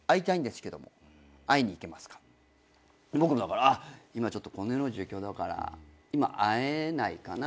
僕もだから今このような状況だから今会えないかな。